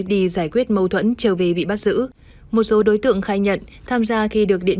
đi giải quyết mâu thuẫn trở về bị bắt giữ một số đối tượng khai nhận tham gia khi được điện